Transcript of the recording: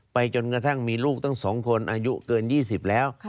จนกระทั่งมีลูกตั้ง๒คนอายุเกิน๒๐แล้ว